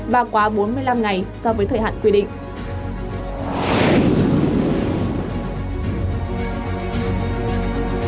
và quá bốn mươi năm ngày so với thời hạn quy định